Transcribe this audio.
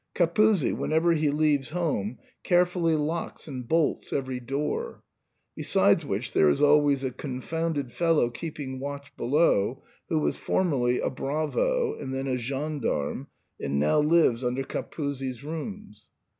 Capuzzi, whenever he leaves home, carefully locks and bolts every door ; besides which there is always a confounded fellow keeping watch below, who was formerly a bravo, and then a gendarme, and now lives under Capuzzi's rooms.